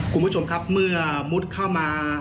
คุณผู้ชมครับเมื่อมุดเข้ามา